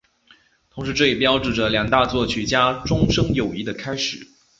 同时这也标志着两位大作曲家终身友谊的开始。